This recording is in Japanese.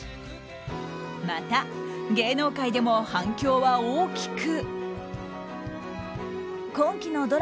また、芸能界でも反響は大きく。